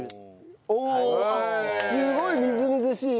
おおすごいみずみずしい。